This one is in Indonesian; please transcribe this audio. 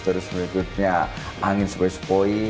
terus berikutnya angin sepoi sepoi